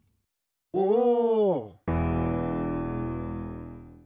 おお！